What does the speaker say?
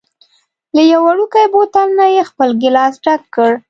له یوه وړوکي بوتل نه یې خپل ګېلاس ډک کړ.